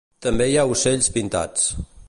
També hi ha ocells pintats.